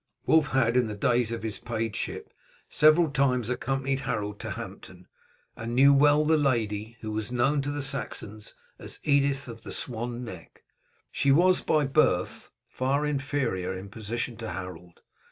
Wulf had in the days of his pageship several times accompanied Harold to Hampton, and knew well the lady, who was known to the Saxons as Edith of the Swan neck. She was by birth far inferior in position to Harold.